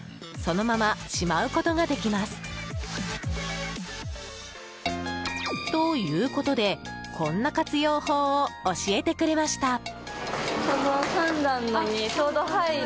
そのまましまうことができます。ということでこんな活用法を教えてくれました。